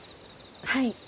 はい。